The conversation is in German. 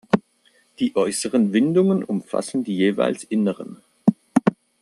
Die äußeren Windungen umfassen die jeweils inneren.